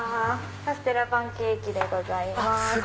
カステラパンケーキでございます。